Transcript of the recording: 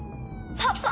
パパ。